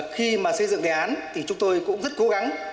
khi mà xây dựng đề án thì chúng tôi cũng rất cố gắng